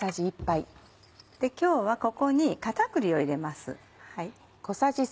今日はここに片栗を入れます。